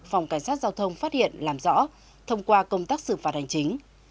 phòng cảnh sát giao thông phát hiện làm rõ thông qua công tác xử phạt hành chính